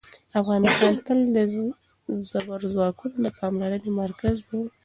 افغانستان تل د زبرځواکونو د پاملرنې مرکز و.